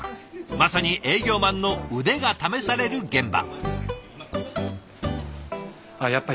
まさに営業マンの腕が試される現場。